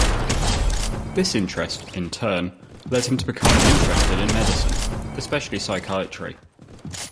This interest, in turn, led him to become interested in medicine, especially psychiatry.